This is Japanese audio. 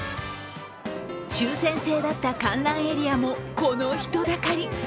抽選制だった観覧エリアもこの人だかり。